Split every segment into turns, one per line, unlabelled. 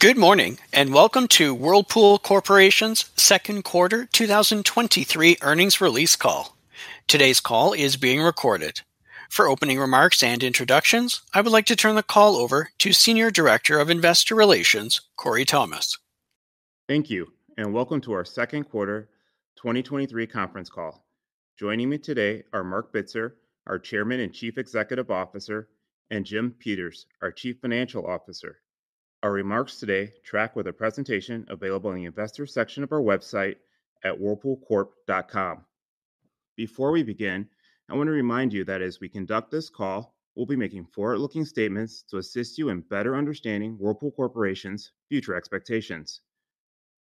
Good morning, welcome to Whirlpool Corporation's second quarter 2023 earnings release call. Today's call is being recorded. For opening remarks and introductions, I would like to turn the call over to Senior Director of Investor Relations, Korey Thomas.
Thank you. Welcome to our second quarter 2023 conference call. Joining me today are Marc Bitzer, our Chairman and Chief Executive Officer, and Jim Peters, our Chief Financial Officer. Our remarks today track with a presentation available in the Investor section of our website at whirlpoolcorp.com. Before we begin, I want to remind you that as we conduct this call, we'll be making forward-looking statements to assist you in better understanding Whirlpool Corporation's future expectations.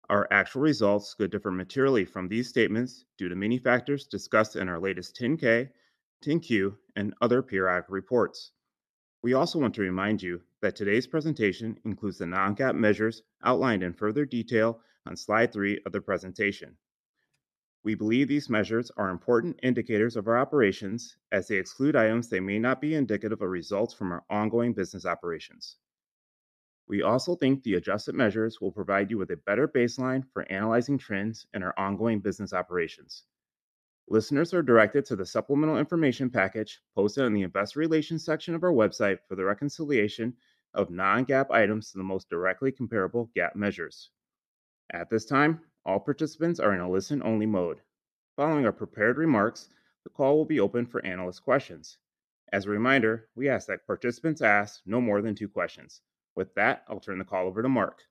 Our actual results could differ materially from these statements due to many factors discussed in our latest 10-K, 10-Q, and other periodic reports. We also want to remind you that today's presentation includes the non-GAAP measures outlined in further detail on slide three of the presentation. We believe these measures are important indicators of our operations as they exclude items that may not be indicative of results from our ongoing business operations. We also think the adjusted measures will provide you with a better baseline for analyzing trends in our ongoing business operations. Listeners are directed to the supplemental information package posted on the Investor Relations section of our website for the reconciliation of non-GAAP items to the most directly comparable GAAP measures. At this time, all participants are in a listen-only mode. Following our prepared remarks, the call will be open for analyst questions. As a reminder, we ask that participants ask no more than two questions. With that, I'll turn the call over to Marc.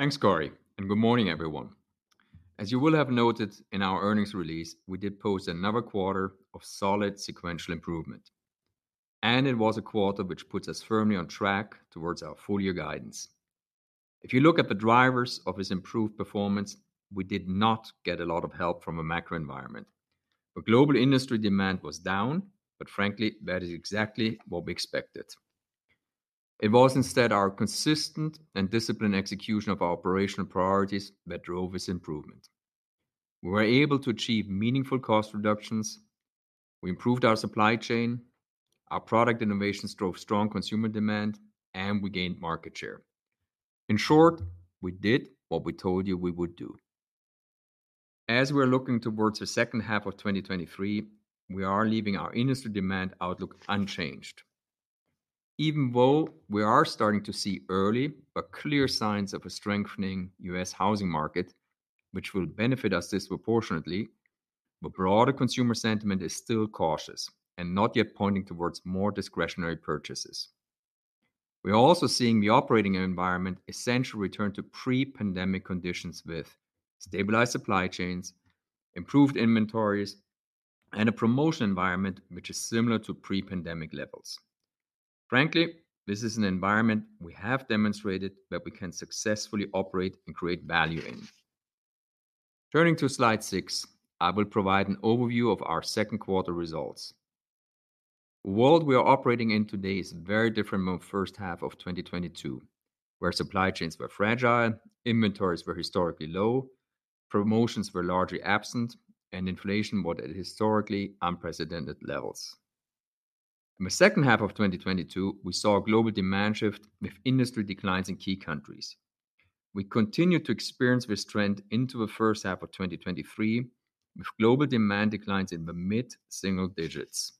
Thanks, Korey, good morning, everyone. As you will have noted in our earnings release, we did post another quarter of solid sequential improvement, and it was a quarter which puts us firmly on track towards our full-year guidance. If you look at the drivers of this improved performance, we did not get a lot of help from the macro environment. Global industry demand was down, but frankly, that is exactly what we expected. It was instead our consistent and disciplined execution of our operational priorities that drove this improvement. We were able to achieve meaningful cost reductions, we improved our supply chain, our product innovations drove strong consumer demand, and we gained market share. In short, we did what we told you we would do. As we are looking towards the second half of 2023, we are leaving our industry demand outlook unchanged. We are starting to see early but clear signs of a strengthening U.S. housing market, which will benefit us disproportionately, the broader consumer sentiment is still cautious and not yet pointing towards more discretionary purchases. We are also seeing the operating environment essentially return to pre-pandemic conditions with stabilized supply chains, improved inventories, and a promotion environment which is similar to pre-pandemic levels. Frankly, this is an environment we have demonstrated that we can successfully operate and create value in. Turning to slide six, I will provide an overview of our second quarter results. The world we are operating in today is very different from the first half of 2022, where supply chains were fragile, inventories were historically low, promotions were largely absent, and inflation was at historically unprecedented levels. In the second half of 2022, we saw a global demand shift with industry declines in key countries. We continued to experience this trend into the first half of 2023, with global demand declines in the mid-single digits.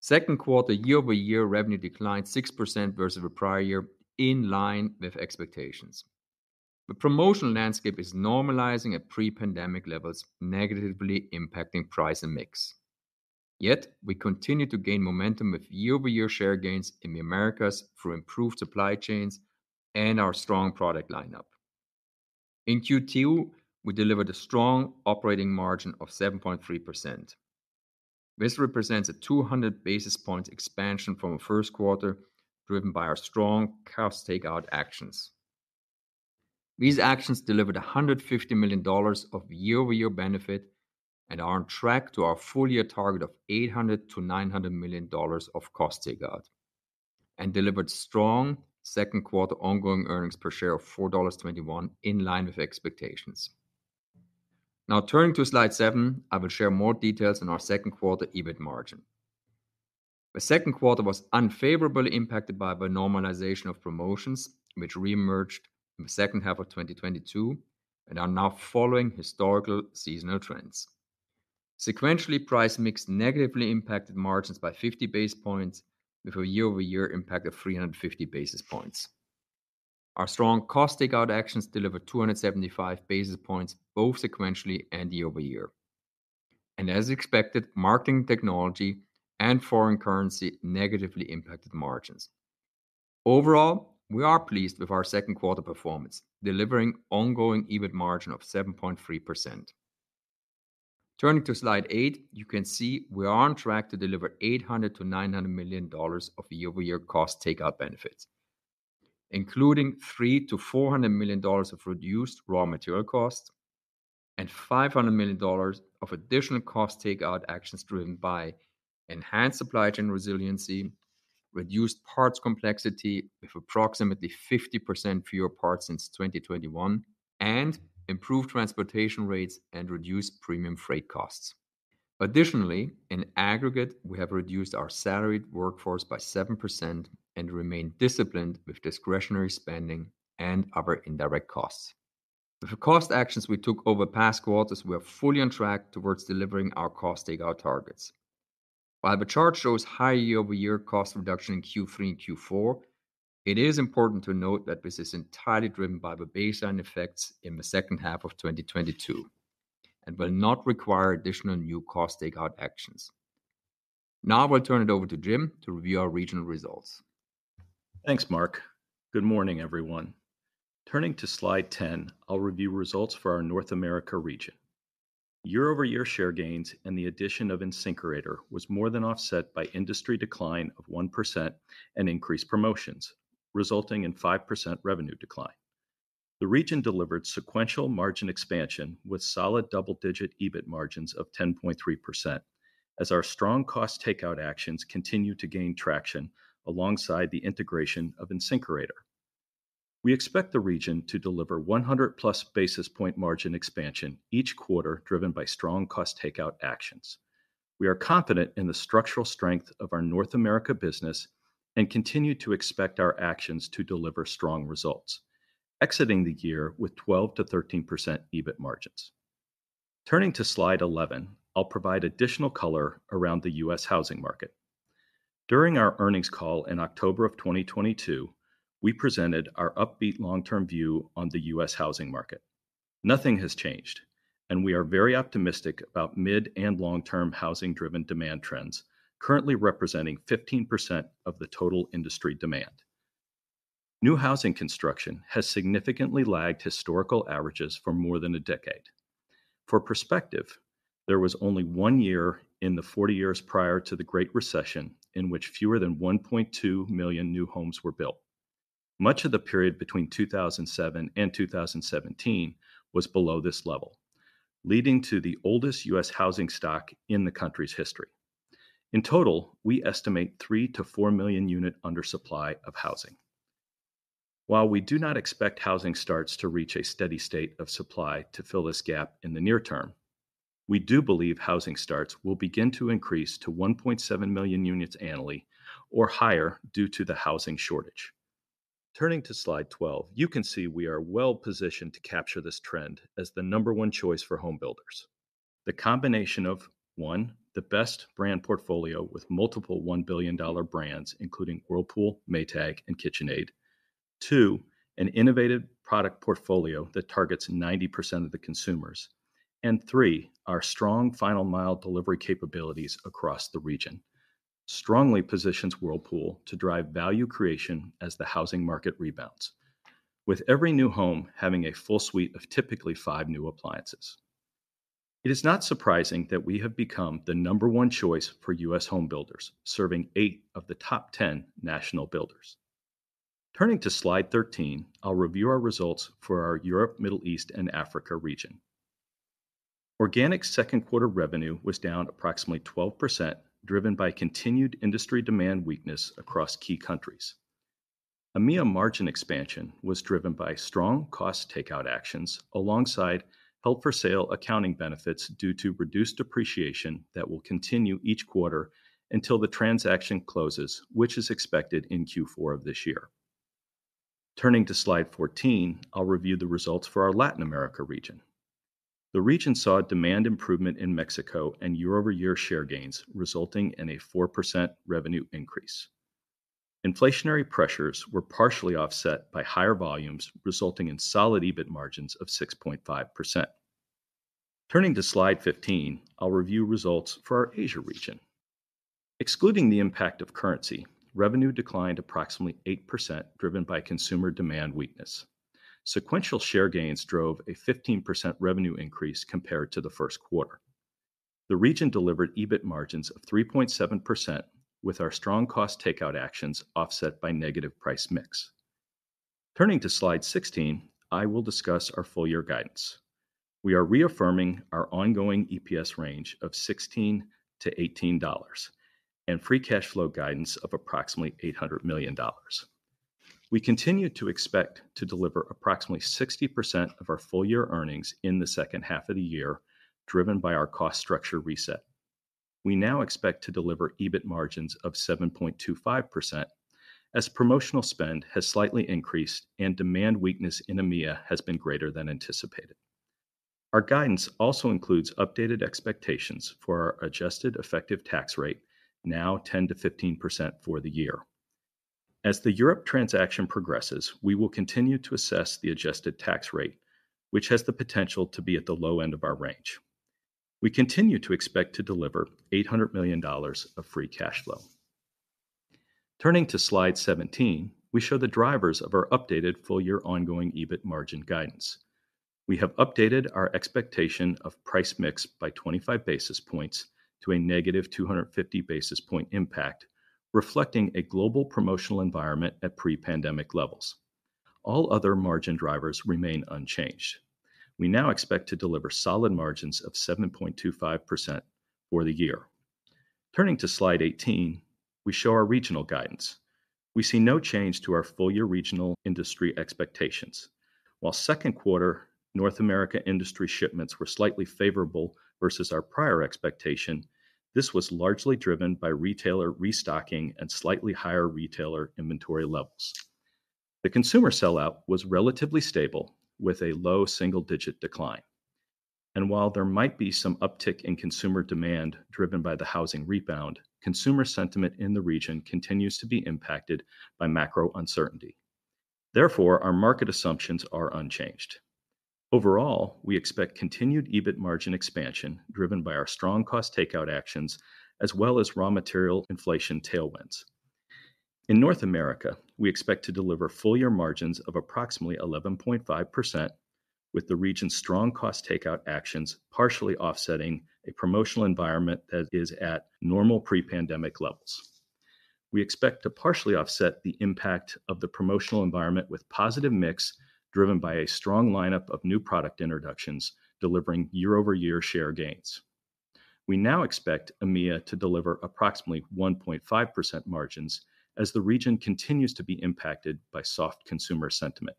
Second quarter year-over-year revenue declined 6% versus the prior year, in line with expectations. The promotional landscape is normalizing at pre-pandemic levels, negatively impacting price and mix. Yet we continue to gain momentum with year-over-year share gains in the Americas through improved supply chains and our strong product lineup. In Q2, we delivered a strong operating margin of 7.3%. This represents a 200 basis point expansion from the first quarter, driven by our strong cost takeout actions. These actions delivered $150 million of year-over-year benefit and are on track to our full year target of $800 million-$900 million of cost takeout. Delivered strong second quarter ongoing earnings per share of $4.21, in line with expectations. Turning to slide seven, I will share more details on our second quarter EBIT margin. The second quarter was unfavorably impacted by the normalization of promotions, which reemerged in the second half of 2022 and are now following historical seasonal trends. Sequentially, price mix negatively impacted margins by 50 basis points, with a year-over-year impact of 350 basis points. Our strong cost takeout actions delivered 275 basis points, both sequentially and year-over-year. As expected, marketing, technology, and foreign currency negatively impacted margins. Overall, we are pleased with our second quarter performance, delivering ongoing EBIT margin of 7.3%. Turning to slide eight, you can see we are on track to deliver $800 million-$900 million of year-over-year cost takeout benefits, including $300 million-$400 million of reduced raw material costs and $500 million of additional cost takeout actions driven by enhanced supply chain resiliency, reduced parts complexity with approximately 50% fewer parts since 2021, and improved transportation rates and reduced premium freight costs. In aggregate, we have reduced our salaried workforce by 7% and remain disciplined with discretionary spending and other indirect costs. The cost actions we took over past quarters, we are fully on track towards delivering our cost takeout targets. While the chart shows high year-over-year cost reduction in Q3 and Q4, it is important to note that this is entirely driven by the baseline effects in the second half of 2022, and will not require additional new cost takeout actions. I will turn it over to Jim to review our regional results.
Thanks, Marc. Good morning, everyone. Turning to slide 10, I'll review results for our North America region. Year-over-year share gains and the addition of InSinkErator was more than offset by industry decline of 1% and increased promotions, resulting in 5% revenue decline. The region delivered sequential margin expansion with solid double-digit EBIT margins of 10.3%, as our strong cost takeout actions continue to gain traction alongside the integration of InSinkErator. We expect the region to deliver 100+ basis point margin expansion each quarter, driven by strong cost takeout actions. We are confident in the structural strength of our North America business and continue to expect our actions to deliver strong results, exiting the year with 12%-13% EBIT margins. Turning to slide 11, I'll provide additional color around the U.S. housing market. During our earnings call in October 2022, we presented our upbeat long-term view on the US housing market. Nothing has changed, and we are very optimistic about mid- and long-term housing-driven demand trends, currently representing 15% of the total industry demand. New housing construction has significantly lagged historical averages for more than a decade. For perspective, there was only one year in the 40 years prior to the Great Recession in which fewer than 1.2 million new homes were built. Much of the period between 2007 and 2017 was below this level, leading to the oldest US housing stock in the country's history. In total, we estimate 3 million-4 million unit undersupply of housing. While we do not expect housing starts to reach a steady state of supply to fill this gap in the near term, we do believe housing starts will begin to increase to 1.7 million units annually or higher due to the housing shortage. Turning to slide 12, you can see we are well positioned to capture this trend as the number one choice for home builders. The combination of, one, the best brand portfolio with multiple $1 billion brands, including Whirlpool, Maytag, and KitchenAid, two, an innovative product portfolio that targets 90% of the consumers, and three, our strong final mile delivery capabilities across the region, strongly positions Whirlpool to drive value creation as the housing market rebounds, with every new home having a full suite of typically five new appliances. It is not surprising that we have become the number one choice for U.S. home builders, serving eight of the top 10 national builders. Turning to slide 13, I'll review our results for our Europe, Middle East, and Africa region. Organic second quarter revenue was down approximately 12%, driven by continued industry demand weakness across key countries. EMEA margin expansion was driven by strong cost takeout actions, alongside held-for-sale accounting benefits due to reduced depreciation that will continue each quarter until the transaction closes, which is expected in Q4 of this year. Turning to slide 14, I'll review the results for our Latin America region. The region saw a demand improvement in Mexico and year-over-year share gains, resulting in a 4% revenue increase. Inflationary pressures were partially offset by higher volumes, resulting in solid EBIT margins of 6.5%. Turning to slide 15, I'll review results for our Asia region. Excluding the impact of currency, revenue declined approximately 8%, driven by consumer demand weakness. Sequential share gains drove a 15% revenue increase compared to the first quarter. The region delivered EBIT margins of 3.7%, with our strong cost takeout actions offset by negative price mix. Turning to slide 16, I will discuss our full year guidance. We are reaffirming our ongoing EPS range of $16-$18 and free cash flow guidance of approximately $800 million. We continue to expect to deliver approximately 60% of our full year earnings in the second half of the year, driven by our cost structure reset. We now expect to deliver EBIT margins of 7.25%, as promotional spend has slightly increased and demand weakness in EMEA has been greater than anticipated. Our guidance also includes updated expectations for our adjusted effective tax rate, now 10%-15% for the year. As the Europe transaction progresses, we will continue to assess the adjusted tax rate, which has the potential to be at the low end of our range. We continue to expect to deliver $800 million of free cash flow. Turning to slide 17, we show the drivers of our updated full-year ongoing EBIT margin guidance. We have updated our expectation of price mix by 25 basis points to a negative 250 basis point impact, reflecting a global promotional environment at pre-pandemic levels. All other margin drivers remain unchanged. We now expect to deliver solid margins of 7.25% for the year. Turning to slide 18, we show our regional guidance. We see no change to our full year regional industry expectations. While second quarter North America industry shipments were slightly favorable versus our prior expectation, this was largely driven by retailer restocking and slightly higher retailer inventory levels. The consumer sellout was relatively stable, with a low single-digit decline. While there might be some uptick in consumer demand driven by the housing rebound, consumer sentiment in the region continues to be impacted by macro uncertainty. Therefore, our market assumptions are unchanged. Overall, we expect continued EBIT margin expansion, driven by our strong cost takeout actions, as well as raw material inflation tailwinds. In North America, we expect to deliver full-year margins of approximately 11.5%, with the region's strong cost takeout actions partially offsetting a promotional environment that is at normal pre-pandemic levels. We expect to partially offset the impact of the promotional environment with positive mix, driven by a strong lineup of new product introductions, delivering year-over-year share gains. We now expect EMEA to deliver approximately 1.5% margins, as the region continues to be impacted by soft consumer sentiment.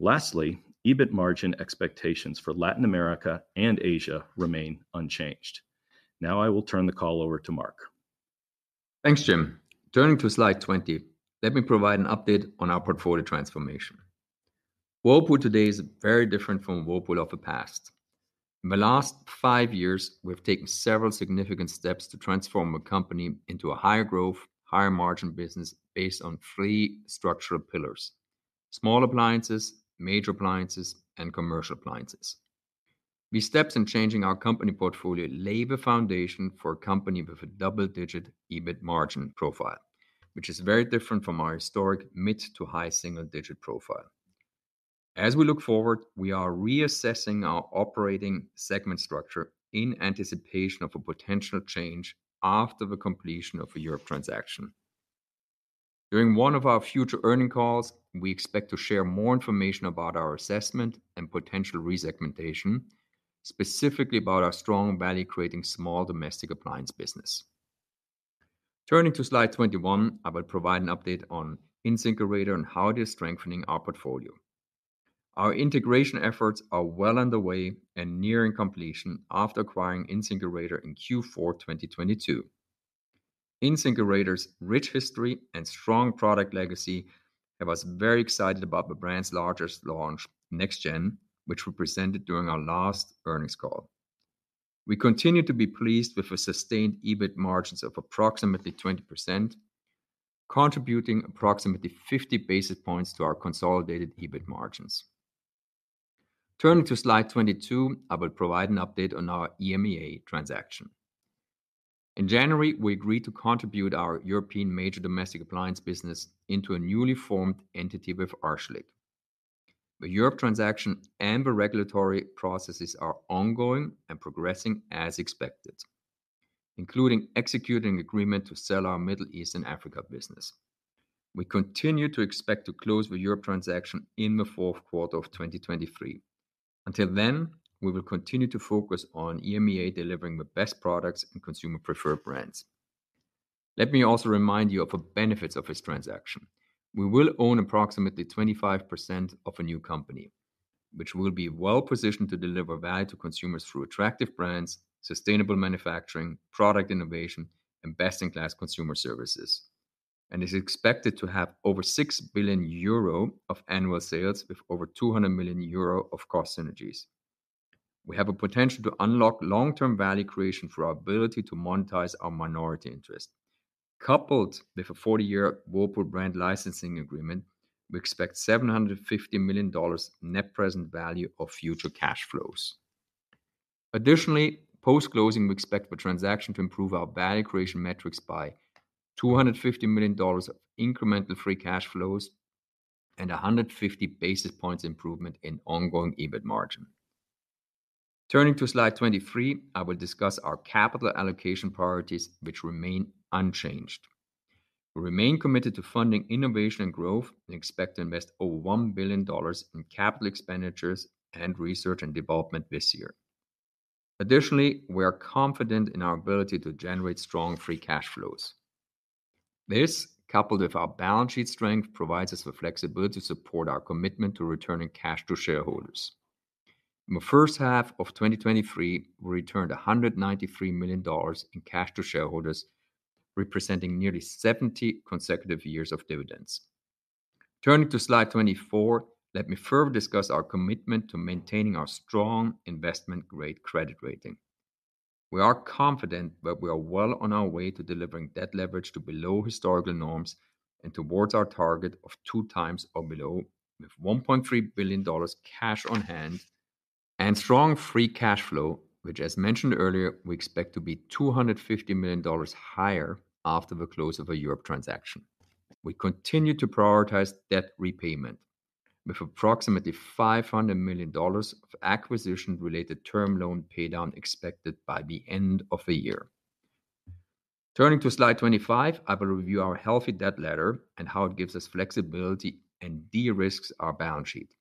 Lastly, EBIT margin expectations for Latin America and Asia remain unchanged. Now, I will turn the call over to Marc.
Thanks, Jim. Turning to slide 20, let me provide an update on our portfolio transformation. Whirlpool today is very different from Whirlpool of the past. In the last five years, we've taken several significant steps to transform the company into a higher growth, higher margin business based on three structural pillars: small appliances, major appliances, and commercial appliances. These steps in changing our company portfolio lay the foundation for a company with a double-digit EBIT margin profile, which is very different from our historic mid to high single-digit profile. As we look forward, we are reassessing our operating segment structure in anticipation of a potential change after the completion of the Europe transaction. During one of our future earnings calls, we expect to share more information about our assessment and potential resegmentation, specifically about our strong value-creating small domestic appliance business. Turning to slide 21, I will provide an update on InSinkErator and how it is strengthening our portfolio. Our integration efforts are well underway and nearing completion after acquiring InSinkErator in Q4 2022. InSinkErator's rich history and strong product legacy have us very excited about the brand's largest launch, NextGen, which we presented during our last earnings call. We continue to be pleased with the sustained EBIT margins of approximately 20%, contributing approximately 50 basis points to our consolidated EBIT margins. Turning to slide 22, I will provide an update on our EMEA transaction. In January, we agreed to contribute our European major domestic appliance business into a newly formed entity with Arçelik. The Europe transaction and the regulatory processes are ongoing and progressing as expected, including executing agreement to sell our Middle East and Africa business. We continue to expect to close the Europe transaction in the fourth quarter of 2023. Until then, we will continue to focus on EMEA delivering the best products and consumer preferred brands. Let me also remind you of the benefits of this transaction. We will own approximately 25% of a new company, which will be well-positioned to deliver value to consumers through attractive brands, sustainable manufacturing, product innovation, and best-in-class consumer services, and is expected to have over 6 billion euro of annual sales with over 200 million euro of cost synergies. We have a potential to unlock long-term value creation through our ability to monetize our minority interest. Coupled with a 40-year Whirlpool brand licensing agreement, we expect $750 million net present value of future cash flows. Additionally, post-closing, we expect the transaction to improve our value creation metrics by $250 million of incremental free cash flows and 150 basis points improvement in ongoing EBIT margin. Turning to slide 23, I will discuss our capital allocation priorities, which remain unchanged. We remain committed to funding innovation and growth and expect to invest over $1 billion in capital expenditures and research and development this year. Additionally, we are confident in our ability to generate strong free cash flows. This, coupled with our balance sheet strength, provides us with flexibility to support our commitment to returning cash to shareholders. In the first half of 2023, we returned $193 million in cash to shareholders, representing nearly 70 consecutive years of dividends. Turning to slide 24, let me further discuss our commitment to maintaining our strong investment-grade credit rating. We are confident that we are well on our way to delivering debt leverage to below historical norms and towards our target of two times or below, with $1.3 billion cash on hand and strong free cash flow, which, as mentioned earlier, we expect to be $250 million higher after the close of the Europe transaction. We continue to prioritize debt repayment, with approximately $500 million of acquisition-related term loan paydown expected by the end of the year. Turning to slide 25, I will review our healthy debt ladder and how it gives us flexibility and de-risks our balance sheet.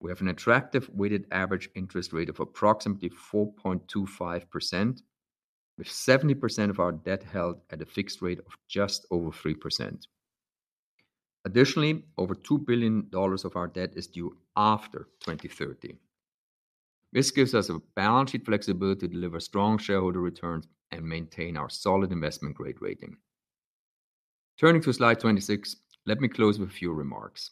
We have an attractive weighted average interest rate of approximately 4.25%, with 70% of our debt held at a fixed rate of just over 3%. Additionally, over $2 billion of our debt is due after 2030. This gives us a balance sheet flexibility to deliver strong shareholder returns and maintain our solid investment-grade rating. Turning to slide 26, let me close with a few remarks.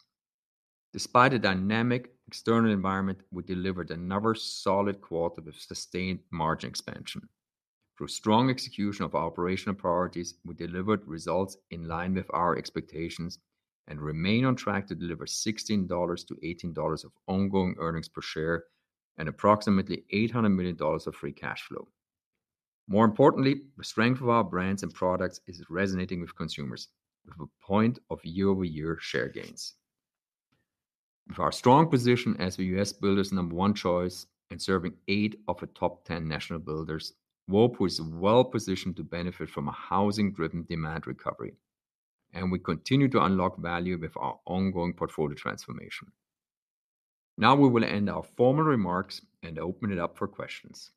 Despite a dynamic external environment, we delivered another solid quarter with sustained margin expansion. Through strong execution of operational priorities, we delivered results in line with our expectations and remain on track to deliver $16-$18 of ongoing earnings per share and approximately $800 million of free cash flow. More importantly, the strength of our brands and products is resonating with consumers, with a point of year-over-year share gains. With our strong position as the U.S. builder's number one choice and serving eight of the top 10 national builders, Whirlpool is well-positioned to benefit from a housing-driven demand recovery, and we continue to unlock value with our ongoing portfolio transformation. Now we will end our formal remarks and open it up for questions.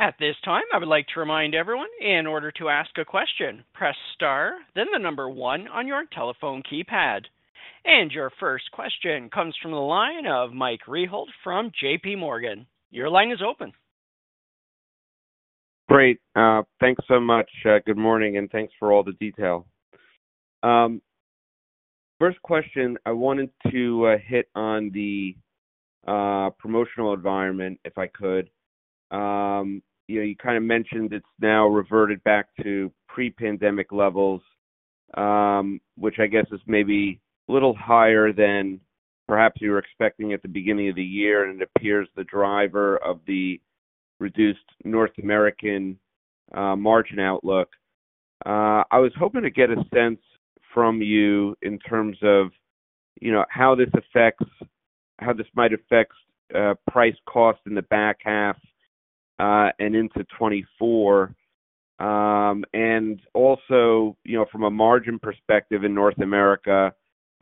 At this time, I would like to remind everyone, in order to ask a question, press Star, then the one on your telephone keypad. Your first question comes from the line of Michael Rehaut from JPMorgan. Your line is open.
Great. Thanks so much. Good morning, and thanks for all the detail. First question, I wanted to hit on the promotional environment, if I could. You know, you kind of mentioned it's now reverted back to pre-pandemic levels, which I guess is maybe a little higher than perhaps you were expecting at the beginning of the year, and it appears the driver of the reduced North American margin outlook. I was hoping to get a sense from you in terms of, you know, how this might affect price cost in the back half, and into 2024. You know, from a margin perspective in North America,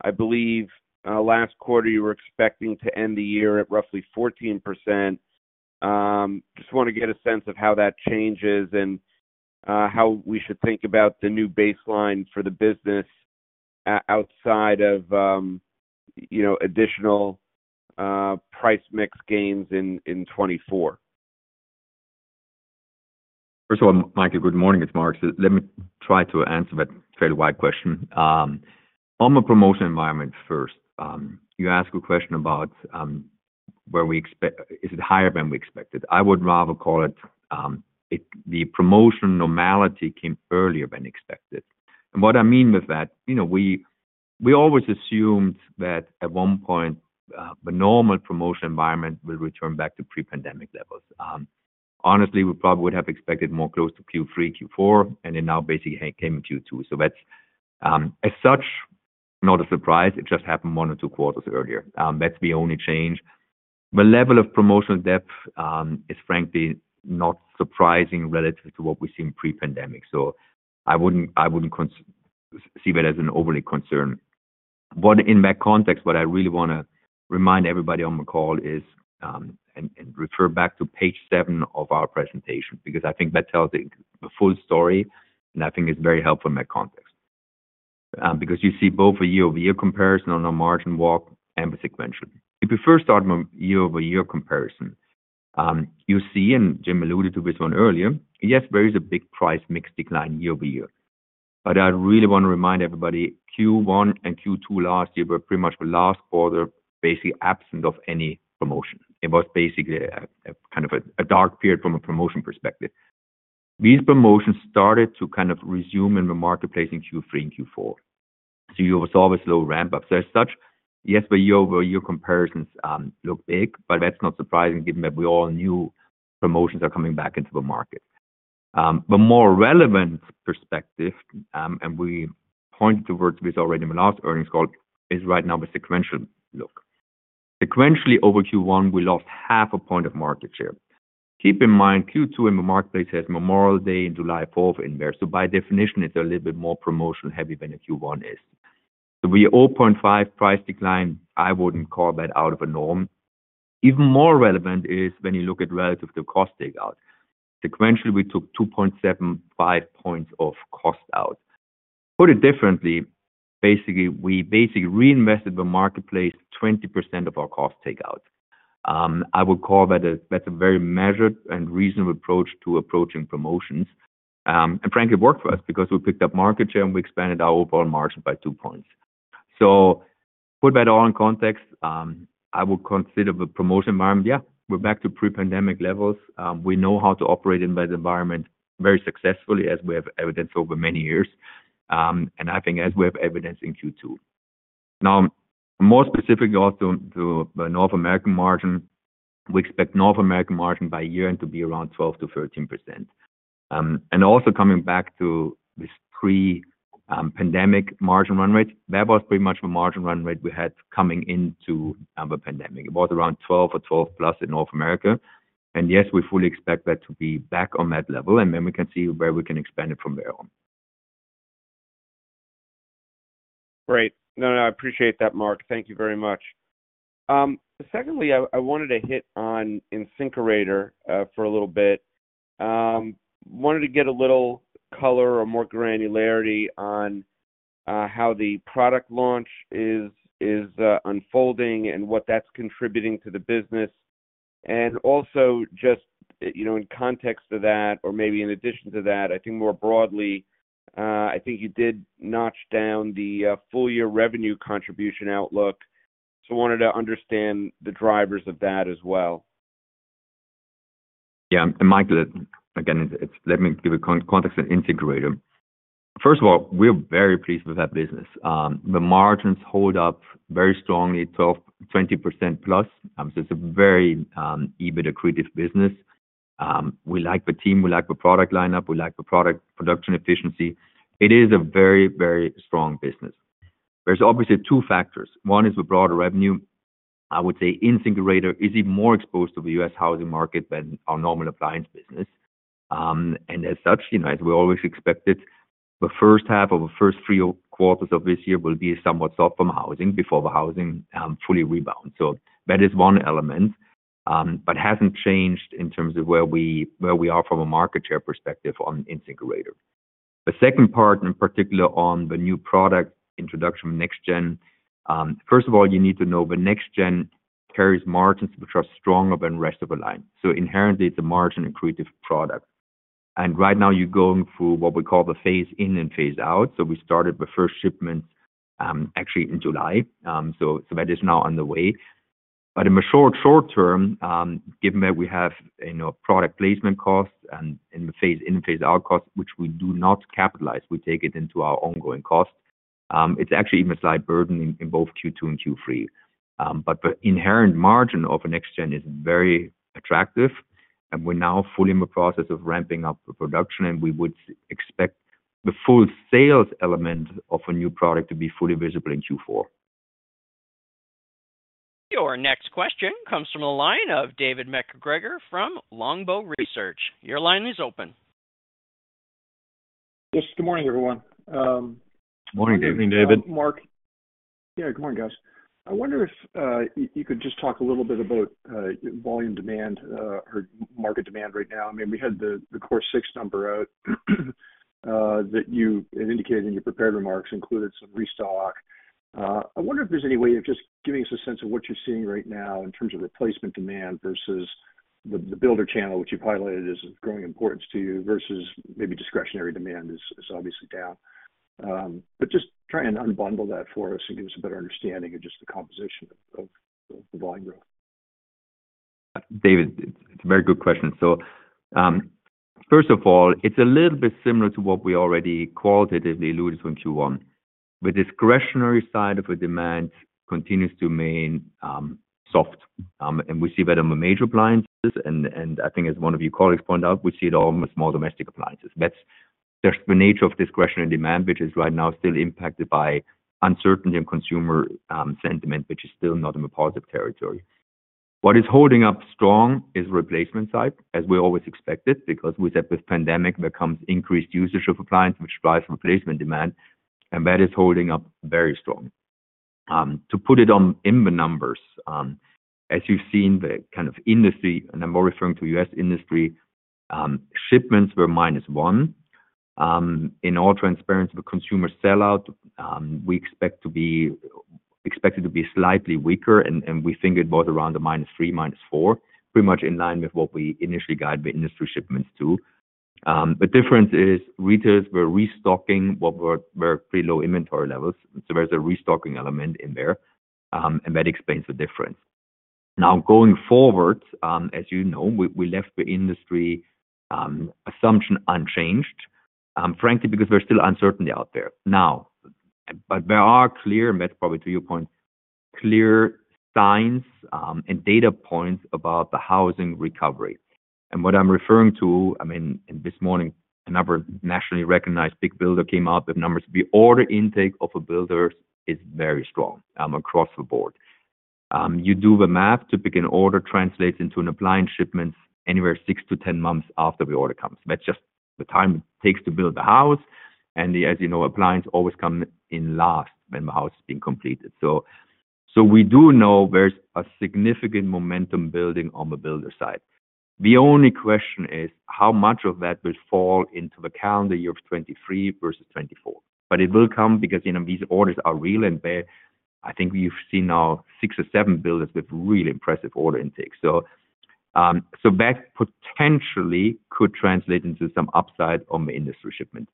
I believe, last quarter, you were expecting to end the year at roughly 14%. Just want to get a sense of how that changes and how we should think about the new baseline for the business, outside of, you know, additional price mix gains in 2024.
First of all, Michael, good morning. It's Marc. Let me try to answer that fairly wide question. On the promotion environment first. You asked a question about, Is it higher than we expected? I would rather call it, the promotion normality came earlier than expected. What I mean with that, you know, we always assumed that at one point, the normal promotion environment will return back to pre-pandemic levels. Honestly, we probably would have expected more close to Q3, Q4, and it now basically came in Q2. That's as such, not a surprise, it just happened one or two quarters earlier. That's the only change. The level of promotional depth is frankly not surprising relative to what we see in pre-pandemic. I wouldn't see that as an overly concern. In that context, what I really want to remind everybody on the call is, and refer back to page seven of our presentation, because I think that tells the full story, and I think it's very helpful in that context. You see both a year-over-year comparison on the margin walk and the sequential. If you first start from a year-over-year comparison, you see, and Jim alluded to this one earlier, yes, there is a big price mix decline year-over-year. I really want to remind everybody, Q1 and Q2 last year were pretty much the last quarter, basically absent of any promotion. It was basically a kind of a dark period from a promotion perspective. These promotions started to kind of resume in the marketplace in Q3 and Q4. You will saw this little ramp up. As such, yes, the year-over-year comparisons look big, but that's not surprising given that we all knew promotions are coming back into the market. The more relevant perspective, we pointed towards this already in the last earnings call, is right now the sequential look. Sequentially, over Q1, we lost half a point of market share. Keep in mind, Q2 in the marketplace has Memorial Day and July 4th in there, so by definition, it's a little bit more promotional heavy than a Q1 is. We are 0.5 price decline, I wouldn't call that out of a norm. Even more relevant is when you look at relative to cost takeout. Sequentially, we took 2.75 points of cost out. Put it differently, we basically reinvested the marketplace 20% of our cost takeout. I would call that a very measured and reasonable approach to approaching promotions. Frankly, it worked for us because we picked up market share, and we expanded our overall margin by two points. Put that all in context, I would consider the promotion environment, yeah, we're back to pre-pandemic levels. We know how to operate in that environment very successfully, as we have evidenced over many years, and I think as we have evidenced in Q2. Now, more specific also to the North American margin, we expect North American margin by year-end to be around 12%-13%. Also coming back to this pre-pandemic margin run rate. That was pretty much the margin run rate we had coming into the pandemic. It was around 12 or 12+ in North America. Yes, we fully expect that to be back on that level, and then we can see where we can expand it from there on.
Great. No, no, I appreciate that, Marc. Thank you very much. Secondly, I wanted to hit on InSinkErator for a little bit. Wanted to get a little color or more granularity on how the product launch is unfolding and what that's contributing to the business. Also just, you know, in context to that, or maybe in addition to that, I think more broadly, I think you did notch down the full year revenue contribution outlook. I wanted to understand the drivers of that as well.
Michael, again, it's let me give a context on InSinkErator. First of all, we're very pleased with that business. The margins hold up very strongly, 12%-20%+. It's a very EBITDA accretive business. We like the team, we like the product lineup, we like the product production efficiency. It is a very, very strong business. There's obviously two factors: One is the broader revenue. I would say InSinkErator is even more exposed to the U.S. housing market than our normal appliance business. As such, you know, as we always expected, the first half of the first three quarters of this year will be somewhat soft on housing before the housing fully rebounds. That is one element, hasn't changed in terms of where we, where we are from a market share perspective on InSinkErator. The second part, in particular, on the new product introduction, NextGen. First of all, you need to know the NextGen carries margins which are stronger than rest of the line, so inherently it's a margin accretive product. Right now you're going through what we call the phase in and phase out. We started the first shipment, actually in July. That is now on the way. In the short term, given that we have, you know, product placement costs and in the phase in and phase out costs, which we do not capitalize, we take it into our ongoing cost, it's actually a slight burden in both Q2 and Q3. The inherent margin of a NextGen is very attractive, and we're now fully in the process of ramping up the production, and we would expect the full sales element of a new product to be fully visible in Q4.
Your next question comes from the line of David MacGregor from Longbow Research. Your line is open.
Yes, good morning, everyone.
Morning, David.
Good morning, David.
Marc. Yeah, good morning, guys. I wonder if you could just talk a little bit about volume demand or market demand right now? I mean, we had the core six number out that you had indicated in your prepared remarks, included some restock. I wonder if there's any way of just giving us a sense of what you're seeing right now in terms of replacement demand versus the builder channel, which you've highlighted is of growing importance to you, versus maybe discretionary demand is obviously down? Just try and unbundle that for us and give us a better understanding of just the composition of the volume growth.
David, it's a very good question. First of all, it's a little bit similar to what we already qualitatively alluded to in Q1. The discretionary side of the demand continues to remain soft, and we see that in the major appliances, and I think as one of your colleagues pointed out, we see it all in the small domestic appliances. That's just the nature of discretionary demand, which is right now still impacted by uncertainty in consumer sentiment, which is still not in the positive territory. What is holding up strong is replacement side, as we always expected, because with that, with pandemic, there comes increased usage of appliance, which drives replacement demand, and that is holding up very strong. To put it on in the numbers, as you've seen, the kind of industry, and I'm more referring to U.S. industry, shipments were -1. In all transparency, the consumer sellout, we expected to be slightly weaker, and we think it was around the -3, -4, pretty much in line with what we initially guide the industry shipments to. The difference is, retailers were restocking what were pretty low inventory levels, so there's a restocking element in there, and that explains the difference. Going forward, as you know, we left the industry assumption unchanged, frankly, because we're still uncertainty out there. There are clear, and that's probably to your point, clear signs and data points about the housing recovery. What I'm referring to, I mean, and this morning, another nationally recognized big builder came out with numbers. The order intake of the builders is very strong across the board. You do the math to pick an order, translates into an appliance shipment anywhere six to 10 months after the order comes. That's just the time it takes to build the house, and as you know, appliance always come in last when the house is being completed. We do know there's a significant momentum building on the builder side. The only question is, how much of that will fall into the calendar year of 2023 versus 2024? It will come because, you know, these orders are real and there. I think we've seen now six or seven builders with really impressive order intake. That potentially could translate into some upside on the industry shipment.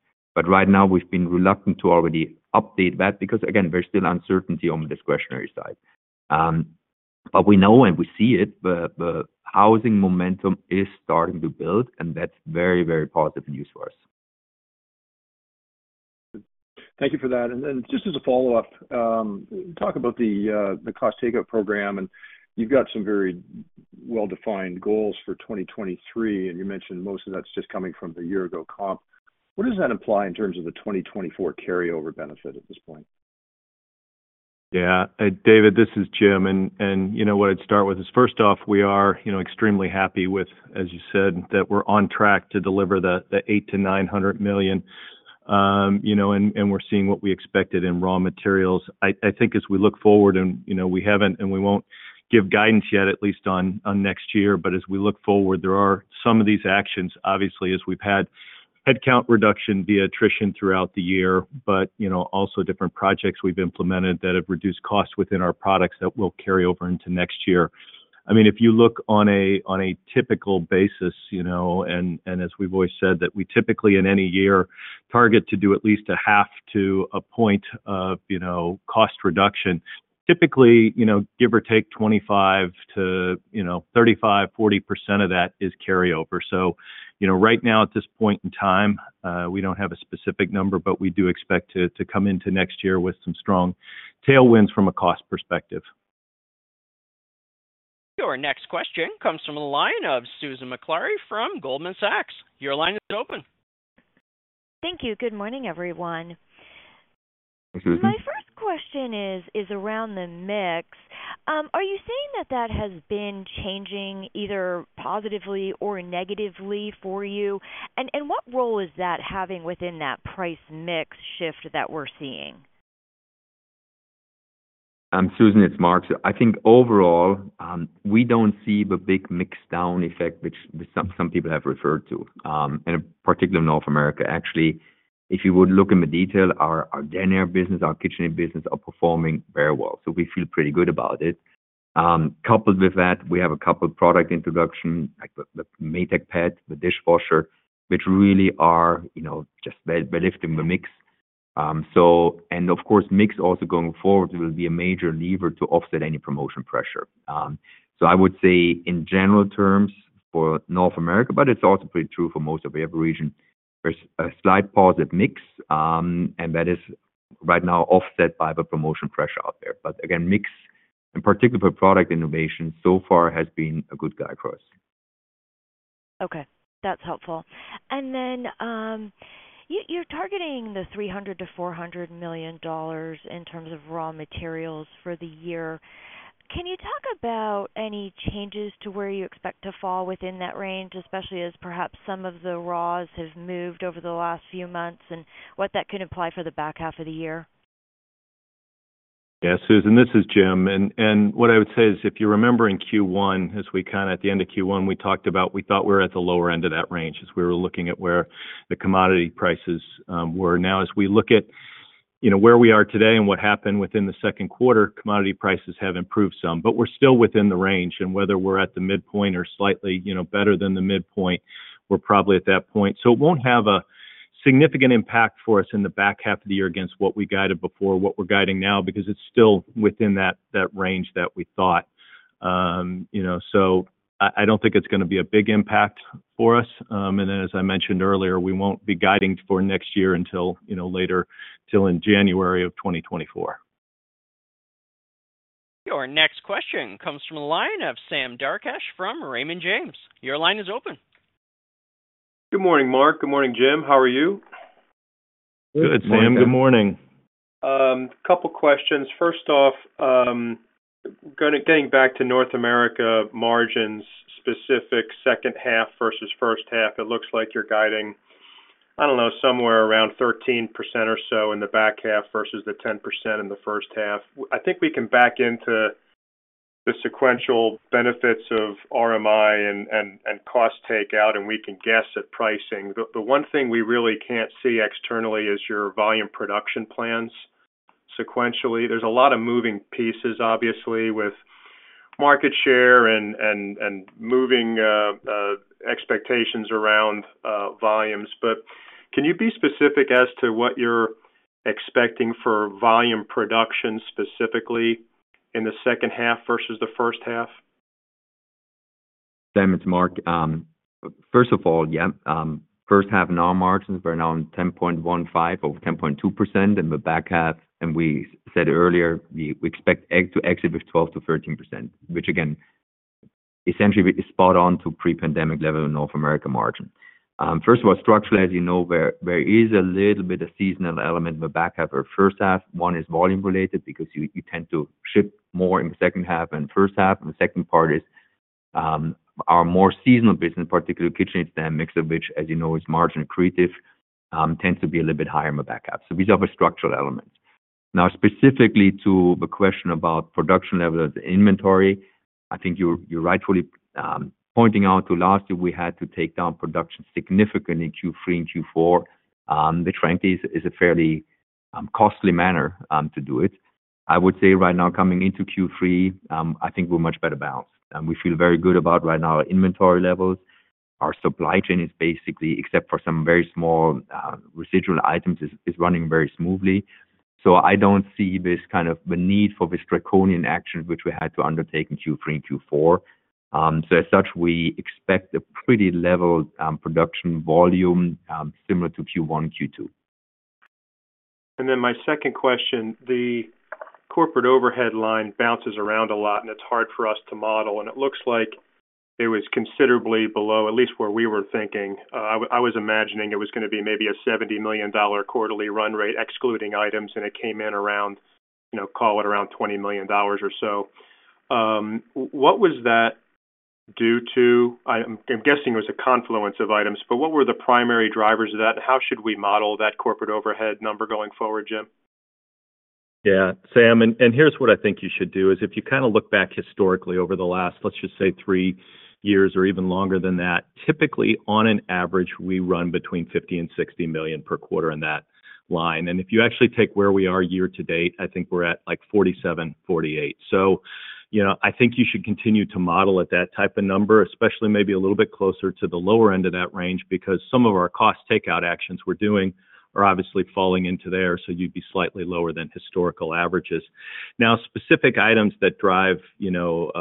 Right now we've been reluctant to already update that, because again, there's still uncertainty on the discretionary side. We know and we see it, the housing momentum is starting to build, and that's very, very positive news for us.
Thank you for that. Then just as a follow-up, talk about the cost takeout program, and you've got some very well-defined goals for 2023, and you mentioned most of that's just coming from the year-ago comp. What does that imply in terms of the 2024 carryover benefit at this point?
David, this is Jim, and you know what? I'd start with is, first off, we are, you know, extremely happy with, as you said, that we're on track to deliver the $800 million-$900 million. You know, and we're seeing what we expected in raw materials. I think as we look forward, you know, we haven't and we won't give guidance yet, at least on next year. As we look forward, there are some of these actions, obviously, as we've had headcount reduction via attrition throughout the year, but, you know, also different projects we've implemented that have reduced costs within our products that will carry over into next year. I mean, if you look on a, on a typical basis, you know, and as we've always said, that we typically, in any year, target to do at least a half to a point of, you know, cost reduction. Typically, you know, give or take 25% to, you know, 35%-40% of that is carryover. Right now, at this point in time, we don't have a specific number, but we do expect to come into next year with some strong tailwinds from a cost perspective.
Your next question comes from the line of Susan Maklari from Goldman Sachs. Your line is open.
Thank you. Good morning, everyone.
Hi, Susan.
My first question is around the mix. Are you saying that has been changing either positively or negatively for you? What role is that having within that price mix shift that we're seeing?
Susan Maklari, it's Marc Bitzer. I think overall, we don't see the big mix down effect, which some people have referred to, particularly in North America. Actually, if you would look in the detail, our dining business, our kitchen business are performing very well, so we feel pretty good about it. Coupled with that, we have two product introduction, like the Maytag Pet, the dishwasher, which really are, you know, just beneficial in the mix. Of course, mix also going forward will be a major lever to offset any promotion pressure. I would say in general terms for North America, but it's also pretty true for most of every region, there's a slight positive mix, that is right now offset by the promotion pressure out there. Again, mix, in particular product innovation so far has been a good guy for us.
Okay, that's helpful. You're targeting the $300 million-$400 million in terms of raw materials for the year. Can you talk about any changes to where you expect to fall within that range, especially as perhaps some of the raws have moved over the last few months, and what that could imply for the back half of the year?
Yeah, Susan, this is Jim. What I would say is, if you remember in Q1, as we kind of at the end of Q1, we talked about we thought we were at the lower end of that range as we were looking at where the commodity prices were. As we look at, you know, where we are today and what happened within the second quarter, commodity prices have improved some, but we're still within the range. Whether we're at the midpoint or slightly, you know, better than the midpoint, we're probably at that point. It won't have a significant impact for us in the back half of the year against what we guided before, what we're guiding now, because it's still within that range that we thought. You know, I don't think it's gonna be a big impact for us. As I mentioned earlier, we won't be guiding for next year until, you know, later till in January 2024.
Your next question comes from a line of Sam Darkatsh from Raymond James. Your line is open.
Good morning, Marc. Good morning, Jim. How are you?
Good, Sam. Good morning.
Good morning.
A couple questions. First off, getting back to North America margins, specific second half versus first half, it looks like you're guiding, I don't know, somewhere around 13% or so in the back half versus the 10% in the first half. I think we can back into the sequential benefits of RMI and cost takeout, we can guess at pricing. The one thing we really can't see externally is your volume production plans sequentially. There's a lot of moving pieces, obviously, with market share and moving expectations around volumes. Can you be specific as to what you're expecting for volume production, specifically in the second half versus the first half?
Sam, it's Marc. First half, now margins are now 10.15 over 10.2% in the back half, and we said earlier, we expect it to exit with 12%-13%, which again, essentially is spot on to pre-pandemic level in North America margin. Structurally, as you know, there is a little bit of seasonal element in the back half or first half. One is volume-related because you tend to ship more in the second half than first half. The second part is our more seasonal business, particularly Kitchen, it's the mix of which, as you know, is margin creative, tends to be a little bit higher in the back half. These are the structural elements. Now, specifically to the question about production levels inventory, I think you're rightfully pointing out to last year, we had to take down production significantly in Q3 and Q4. Which frankly, is a fairly costly manner to do it. I would say right now, coming into Q3, I think we're much better balanced. We feel very good about right now our inventory levels. Our supply chain is basically, except for some very small residual items, is running very smoothly. I don't see this kind of the need for this draconian action, which we had to undertake in Q3 and Q4. As such, we expect a pretty level production volume similar to Q1 and Q2.
My second question: the corporate overhead line bounces around a lot, and it's hard for us to model. It looks like it was considerably below, at least where we were thinking. I was imagining it was gonna be maybe a $70 million quarterly run rate, excluding items, and it came in around, you know, call it around $20 million or so. What was that due to? I'm guessing it was a confluence of items, but what were the primary drivers of that? How should we model that corporate overhead number going forward, Jim?
Yeah, Sam, and here's what I think you should do. If you kinda look back historically over the last, let's just say, 3 years or even longer than that, typically, on an average, we run between $50 million-$60 million per quarter on that line. If you actually take where we are year to date, I think we're at, like, $47 million, $48 million. You know, I think you should continue to model at that type of number, especially maybe a little bit closer to the lower end of that range, because some of our cost takeout actions we're doing are obviously falling into there, so you'd be slightly lower than historical averages. Specific items that drive, you know,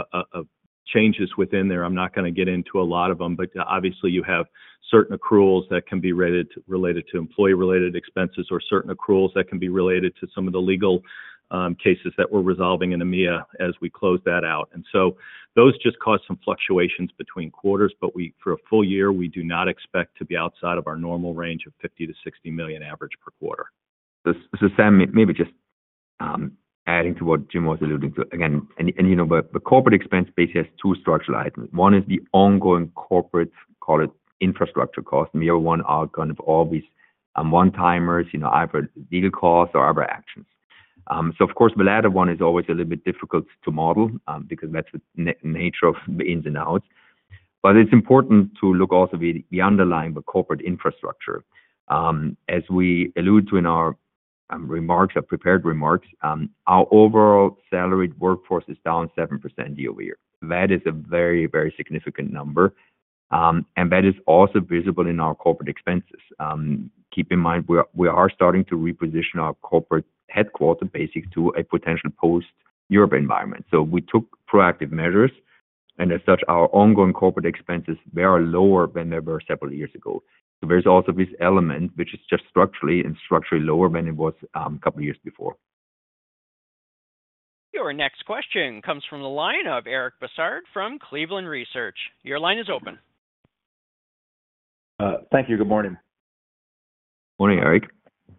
changes within there, I'm not gonna get into a lot of them, but obviously, you have certain accruals that can be related to employee-related expenses or certain accruals that can be related to some of the legal cases that we're resolving in EMEA as we close that out. Those just cause some fluctuations between quarters, but for a full year, we do not expect to be outside of our normal range of $50 million-$60 million average per quarter.
Sam, maybe just adding to what Jim was alluding to. Again, you know, the corporate expense base has two structural items. One is the ongoing corporate, call it infrastructure cost, the other one are kind of all these one-timers, you know, either legal costs or other actions. Of course, the latter one is always a little bit difficult to model because that's the nature of the ins and outs. It's important to look also at the underlying, the corporate infrastructure. As we allude to in our remarks, our prepared remarks, our overall salaried workforce is down 7% year-over-year. That is a very significant number, and that is also visible in our corporate expenses. Keep in mind, we are starting to reposition our corporate headquarters basic to a potential post-Europe environment. We took proactive measures, and as such, our ongoing corporate expenses, they are lower than they were several years ago. There's also this element, which is just structurally lower than it was a couple of years before.
Your next question comes from the line of Eric Bosshard from Cleveland Research. Your line is open.
Thank you. Good morning.
Morning, Eric.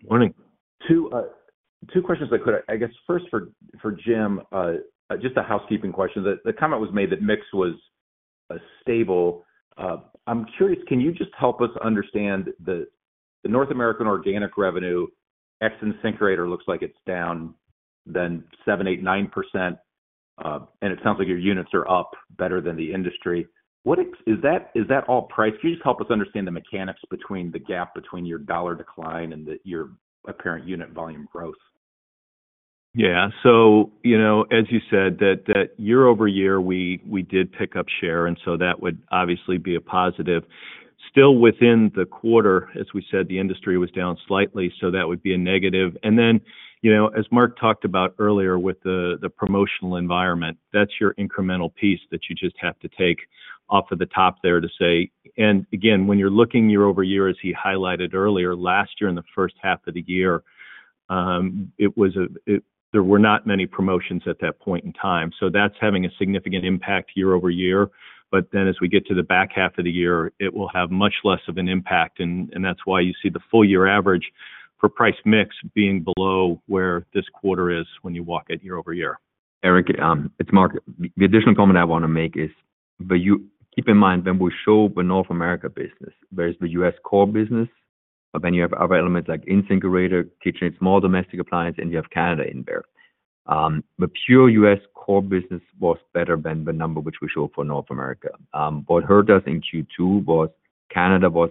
Morning.
Two questions if I could. I guess first for Jim, just a housekeeping question. The comment was made that mix was stable. I'm curious, can you just help us understand the North American organic revenue? Ex-InSinkErator looks like it's down than 7%, 8%, 9%, it sounds like your units are up better than the industry. Is that all price? Can you just help us understand the mechanics between the gap between your dollar decline and your apparent unit volume growth?
You know, as you said, that year-over-year, we did pick up share. That would obviously be a positive. Still within the quarter, as we said, the industry was down slightly, so that would be a negative. Then, you know, as Marc talked about earlier with the promotional environment, that's your incremental piece that you just have to take off of the top there to say... Again, when you're looking year-over-year, as he highlighted earlier, last year in the first half of the year, it was, there were not many promotions at that point in time, so that's having a significant impact year-over-year. As we get to the back half of the year, it will have much less of an impact, and that's why you see the full year average for price mix being below where this quarter is when you walk it year-over-year.
Eric, it's Marc. The additional comment I wanna make is, keep in mind, when we show the North America business, there is the U.S. core business, but then you have other elements like InSinkErator, KitchenAid, small domestic appliance, and you have Canada in there. The pure U.S. core business was better than the number which we show for North America. What hurt us in Q2 was Canada was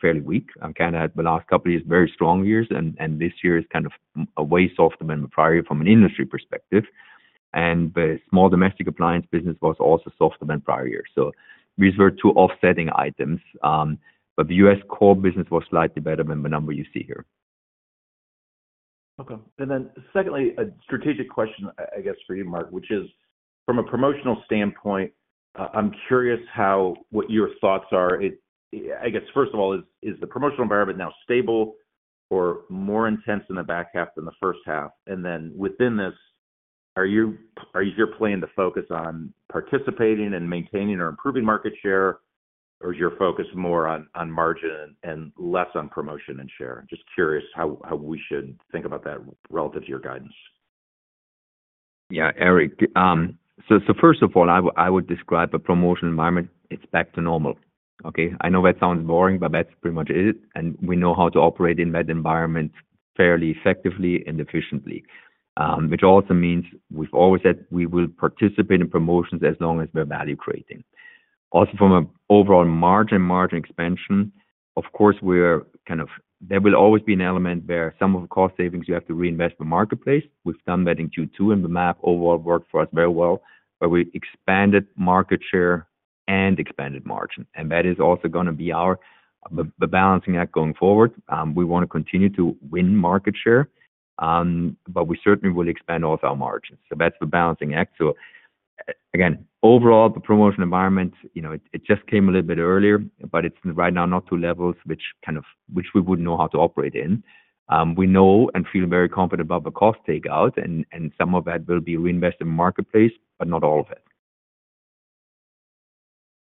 fairly weak. Canada had the last couple of years, very strong years, and this year is kind of a way softer than the prior year from an industry perspective. The small domestic appliance business was also softer than prior years. These were two offsetting items, but the U.S. core business was slightly better than the number you see here.
Okay. Secondly, a strategic question, I guess, for you, Marc, which is from a promotional standpoint, I'm curious how, what your thoughts are. I guess, first of all, is the promotional environment now stable or more intense in the back half than the first half? Within this, are you planning to focus on participating and maintaining or improving market share, or is your focus more on margin and less on promotion and share? Just curious how we should think about that relative to your guidance.
Yeah, Eric, so first of all, I would describe the promotional environment, it's back to normal, okay? I know that sounds boring, that's pretty much it, we know how to operate in that environment fairly effectively and efficiently. Which also means we've always said we will participate in promotions as long as we're value-creating. From an overall margin expansion, of course, there will always be an element where some of the cost savings you have to reinvest in the marketplace. We've done that in Q2, the map overall worked for us very well, where we expanded market share and expanded margin, and that is also gonna be our, the balancing act going forward. We want to continue to win market share, we certainly will expand also our margins. That's the balancing act. Again, overall, the promotion environment, you know, it just came a little bit earlier, but it's right now not to levels which we wouldn't know how to operate in. We know and feel very confident about the cost takeout, and some of that will be reinvested in the marketplace, but not all of it.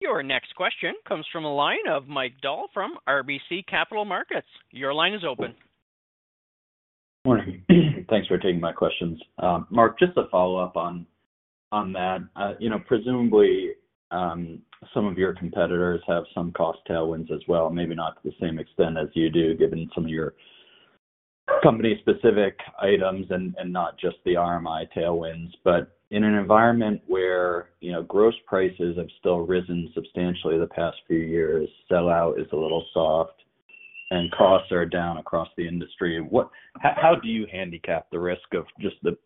Your next question comes from a line of Mike Dahl from RBC Capital Markets. Your line is open.
Morning. Thanks for taking my questions. Marc, just to follow up on that, you know, presumably, some of your competitors have some cost tailwinds as well, maybe not to the same extent as you do, given some of your company-specific items and not just the RMI tailwinds. In an environment where, you know, gross prices have still risen substantially the past few years, sellout is a little soft, and costs are down across the industry, how do you handicap the risk of just the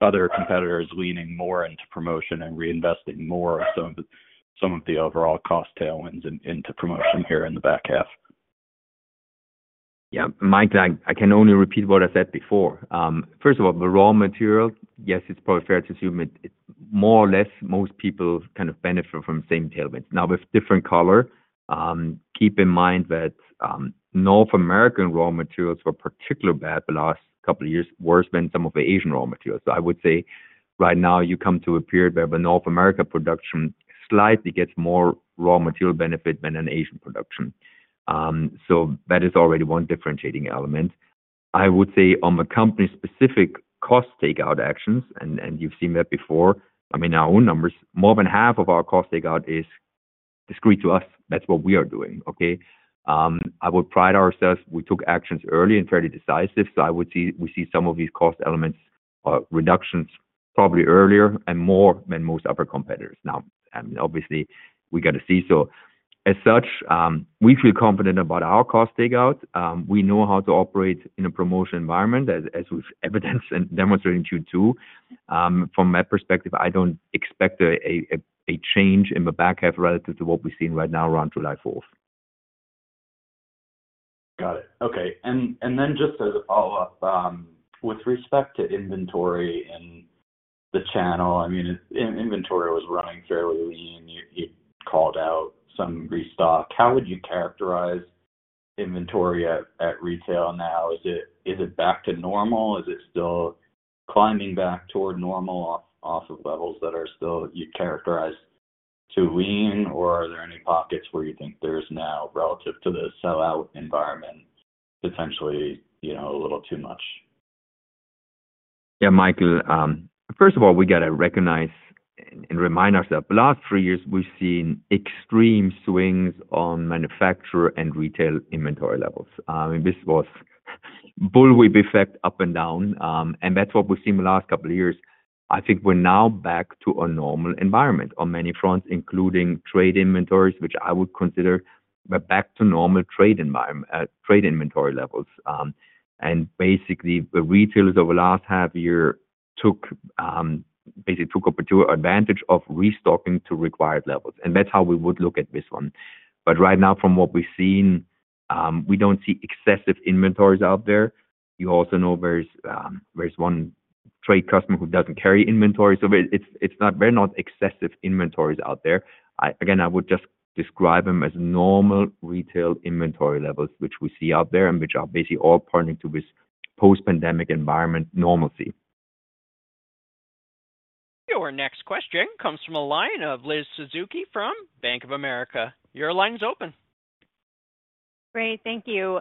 other competitors leaning more into promotion and reinvesting more of some of the overall cost tailwinds into promotion here in the back half?
Yeah, Mike, I can only repeat what I said before. First of all, the raw material, yes, it's probably fair to assume it's more or less, most people kind of benefit from the same tailwinds. With different color, keep in mind that North American raw materials were particularly bad the last couple of years, worse than some of the Asian raw materials. I would say right now, you come to a period where the North America production slightly gets more raw material benefit than an Asian production. That is already one differentiating element. I would say on the company-specific cost takeout actions, and you've seen that before, I mean, our own numbers, more than half of our cost takeout is discrete to us. That's what we are doing, okay? I would pride ourselves, we took actions early and fairly decisive, we see some of these cost elements, reductions probably earlier and more than most other competitors. I mean obviously, we got to see. As such, we feel confident about our cost takeout. We know how to operate in a promotion environment, as we've evidenced and demonstrated to you, too. From my perspective, I don't expect a change in the back half relative to what we've seen right now around July 4th.
Got it. Okay. Then just as a follow-up, with respect to inventory and the channel, I mean, inventory was running fairly lean. You called out some restock. How would you characterize inventory at retail now? Is it back to normal? Is it still climbing back toward normal off of levels that are still, you'd characterize to lean, or are there any pockets where you think there's now relative to the sellout environment, potentially, you know, a little too much?
Michael, first of all, we got to recognize and remind ourselves, the last three years, we've seen extreme swings on manufacturer and retail inventory levels. This was bullwhip effect up and down, and that's what we've seen in the last couple of years. I think we're now back to a normal environment on many fronts, including trade inventories, which I would consider we're back to normal trade environment, trade inventory levels. Basically, the retailers over the last half year took opportunity or advantage of restocking to required levels, that's how we would look at this one. Right now, from what we've seen, we don't see excessive inventories out there. You also know there's one trade customer who doesn't carry inventory, there are not excessive inventories out there. I, again, I would just describe them as normal retail inventory levels, which we see out there and which are basically all pointing to this post-pandemic environment normalcy.
Your next question comes from a line of Liz Suzuki from Bank of America. Your line is open.
Great. Thank you.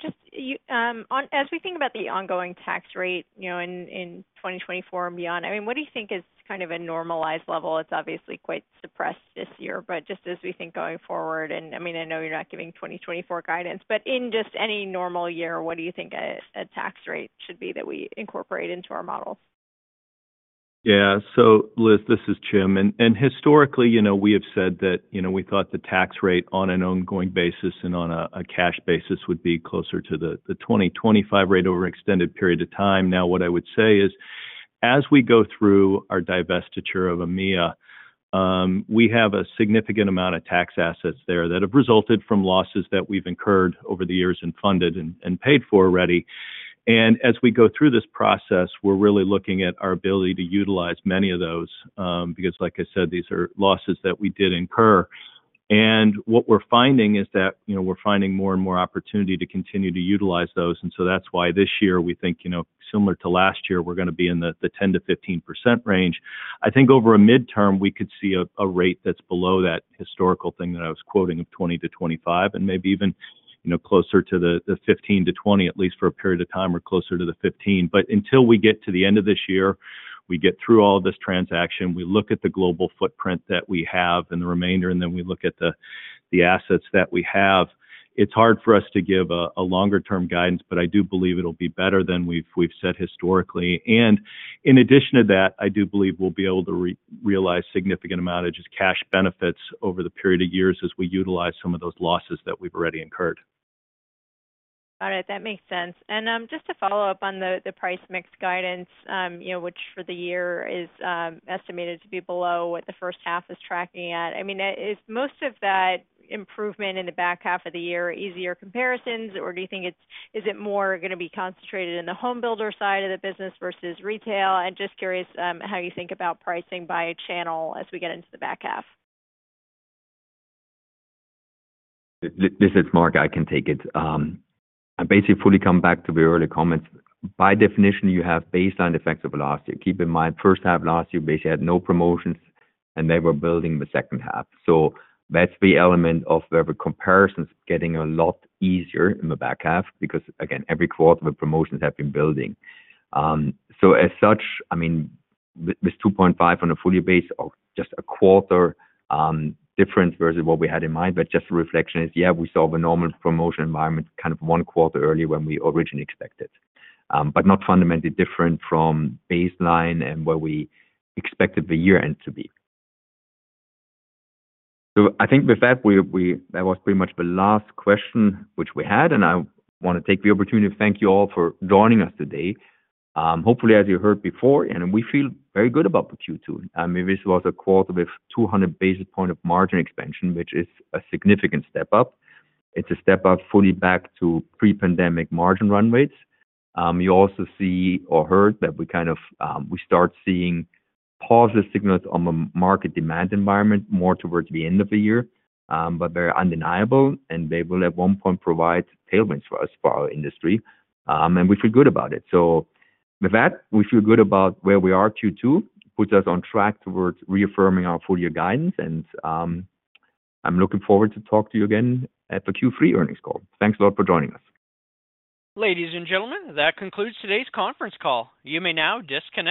Just, you, as we think about the ongoing tax rate, you know, in 2024 and beyond, I mean, what do you think is kind of a normalized level? It's obviously quite suppressed this year, but just as we think going forward. I mean, I know you're not giving 2024 guidance, but in just any normal year, what do you think a tax rate should be that we incorporate into our models?
Liz, this is Jim, and historically, you know, we have said that, you know, we thought the tax rate on an ongoing basis and on a cash basis would be closer to the 2025 rate over an extended period of time. What I would say is, as we go through our divestiture of EMEA, we have a significant amount of tax assets there that have resulted from losses that we've incurred over the years and funded and paid for already. As we go through this process, we're really looking at our ability to utilize many of those, because, like I said, these are losses that we did incur. What we're finding is that, you know, we're finding more and more opportunity to continue to utilize those. That's why this year, we think, you know, similar to last year, we're gonna be in the 10%-15% range. I think over a midterm, we could see a rate that's below that historical thing that I was quoting of 20%-25%. Maybe even, you know, closer to the 15%-20%, at least for a period of time, or closer to the 15%. Until we get to the end of this year, we get through all this transaction, we look at the global footprint that we have and the remainder, and then we look at the assets that we have, it's hard for us to give a longer-term guidance, but I do believe it'll be better than we've set historically. In addition to that, I do believe we'll be able to realize significant amount of just cash benefits over the period of years as we utilize some of those losses that we've already incurred.
All right, that makes sense. Just to follow up on the price mix guidance, you know, which for the year is estimated to be below what the first half is tracking at. I mean, is most of that improvement in the back half of the year, easier comparisons, or do you think is it more gonna be concentrated in the home builder side of the business versus retail? I'm just curious, how you think about pricing by channel as we get into the back half.
This is Marc Bitzer, I can take it. I basically fully come back to the earlier comments. By definition, you have baseline effects of last year. Keep in mind, first half last year, basically had no promotions, and they were building the second half. That's the element of where the comparison is getting a lot easier in the back half, because, again, every quarter, the promotions have been building. As such, I mean, with 2.5 on a fully base of just a quarter, difference versus what we had in mind, but just a reflection is, yeah, we saw the normal promotion environment kind of one quarter early when we originally expected. Not fundamentally different from baseline and where we expected the year-end to be. I think with that was pretty much the last question which we had, and I want to take the opportunity to thank you all for joining us today. Hopefully, as you heard before, we feel very good about the Q2. I mean, this was a quarter with 200 basis point of margin expansion, which is a significant step up. It's a step up fully back to pre-pandemic margin run rates. You also see or heard that we kind of, we start seeing positive signals on the market demand environment more towards the end of the year, but very undeniable, and they will at one point provide tailwinds for us, for our industry, and we feel good about it. With that, we feel good about where we are Q2, puts us on track towards reaffirming our full year guidance, and I'm looking forward to talk to you again at the Q3 earnings call. Thanks a lot for joining us.
Ladies and gentlemen, that concludes today's conference call. You may now disconnect.